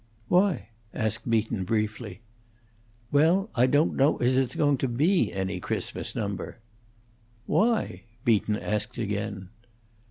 "Why?" asked Beaton, briefly. "Well, I don't know as there's going to be any Christmas number." "Why?" Beaton asked again.